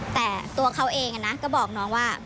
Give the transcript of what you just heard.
แต่ตัวเขาเองก็บอกน้องว่า